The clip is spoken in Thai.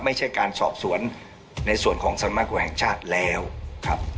ไม่ใช่การสอบสวนในส่วนของสำนักกว่าแห่งชาติแล้วครับ